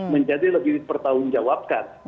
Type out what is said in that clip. menjadi lebih dipertanggungjawabkan